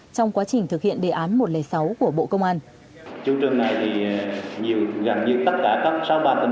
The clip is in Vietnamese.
trong quá trình thực hiện đề án một trăm linh sáu của bộ công an